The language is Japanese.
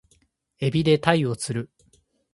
海老で鯛を釣る